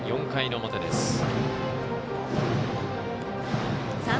４回の表です。